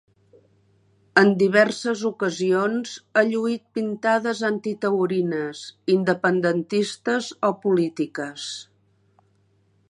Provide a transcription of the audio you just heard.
En diverses ocasions ha lluït pintades antitaurines, independentistes o polítiques.